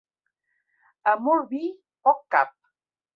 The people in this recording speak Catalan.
a molt vi, poc cap